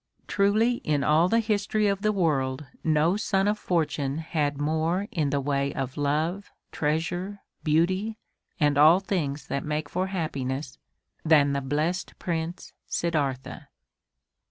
Truly in all the history of the world no son of fortune had more in the way of love, treasure, beauty, and all things that make for happiness than the blessed Prince Siddartha!